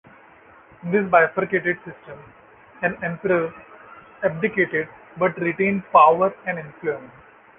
In this bifurcated system, an emperor abdicated, but retained power and influence.